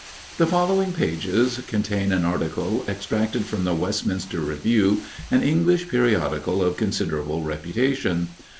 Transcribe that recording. The following pages contain an article extracted from the Westminster Review, an English periodical of considerable reputation.